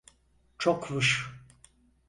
Çokmuş.